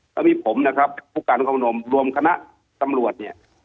แล้วก็มีผมผู้การกลุ่มชนมศาลรวมขณะตำรวจ